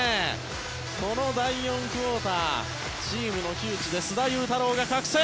この第４クオーターチームの窮地で須田侑太郎が覚醒！